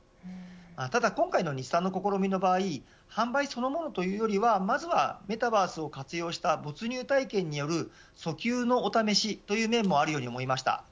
ただ今回の日産の試みの場合販売そのものというよりメタバースを活用した没入体験による訴求のお試し、という面もあるように思います。